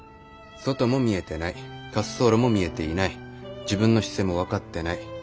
外も見えてない滑走路も見えていない自分の姿勢も分かってない。